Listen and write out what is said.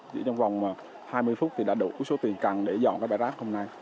chỉ trong vòng hai mươi phút thì đã đủ số tiền cần để dọn cái bãi rác hôm nay